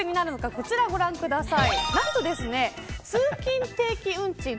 こちらをご覧ください。